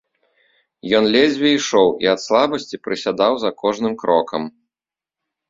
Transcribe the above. Ён ледзьве ішоў і ад слабасці прысядаў за кожным крокам.